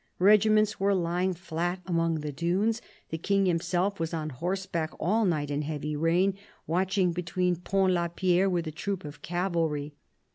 Regiments were lying flat among the dunes; the King himself was on horseback all night in heavy rain, watching behind Pont la Pierre with a troop of cavalry.